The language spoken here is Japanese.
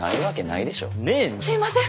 すいません。